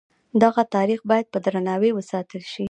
دغه تاریخ باید په درناوي وساتل شي.